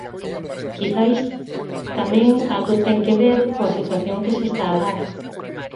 Quizais tamén algo ten que ver coa situación que se está a dar.